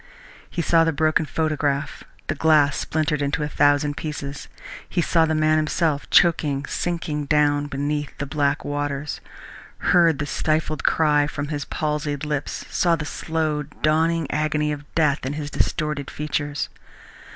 He saw the broken photograph, the glass splintered into a thousand pieces. He saw the man himself, choking, sinking down beneath the black waters; heard the stifled cry from his palsied lips, saw the slow dawning agony of death in his distorted features.